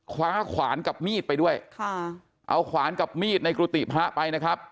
ขวานกับมีดไปด้วยค่ะเอาขวานกับมีดในกุฏิพระไปนะครับ